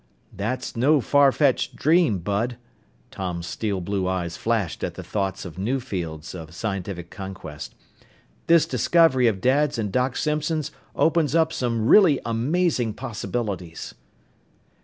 "That's no farfetched dream, Bud." Tom's steel blue eyes flashed at the thought of new fields of scientific conquest. "This discovery of Dad's and Doc Simpson's opens up some really amazing possibilities."